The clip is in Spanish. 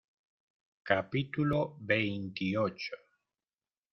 capítulo veintiocho.